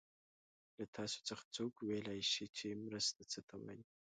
له تاسو څخه څوک ویلای شي چې مرسته څه ته وايي؟